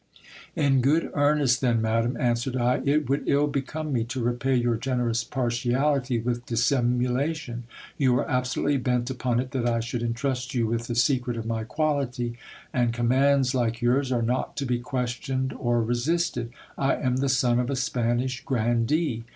In good earnest then, madam, answered I, it would ill become me to repay your generous partiality with dis simulation. You are absolutely bent upon it, that I should entrust you with the secret of my quality, and commands like yours are not to be questioned or re sisted. I am the son of a Spanish grandee.